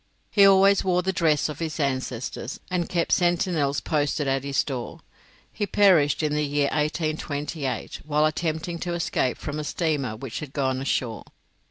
He always wore the dress of his ancestors, and kept sentinels posted at his doors. He perished in the year 1828, while attempting to escape from a steamer which had gone ashore.